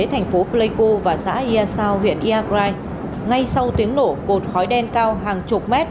thành phố pleiku và xã yasao huyện yagrai ngay sau tiếng nổ cột khói đen cao hàng chục mét